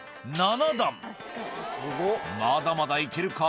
「７段」「まだまだ行けるか？」